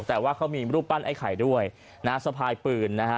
แต่ว่าเขามีรูปปั้นไอ้ไข่ด้วยนะฮะสะพายปืนนะฮะ